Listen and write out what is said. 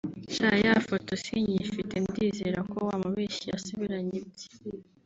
sha ya foto sinkiyifite ndizera ko wa mubeshyi yasubiranye ibye